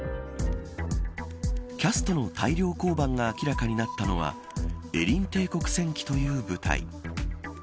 キャストの大量降板が明らかになったのはエンリ帝国戦記という舞台。